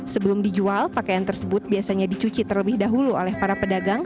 sebelum dijual pakaian tersebut biasanya dicuci terlebih dahulu oleh para pedagang